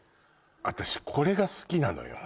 私これが好きなのよ